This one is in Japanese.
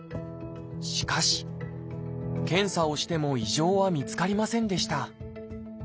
しかし検査をしても異常は見つかりませんでした。